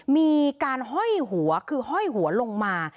มีการห้อยหัวคือห้อยหัวลงมา